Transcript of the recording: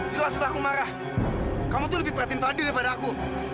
tidak usah aku marah kamu tuh lebih perhatiin fadil daripada aku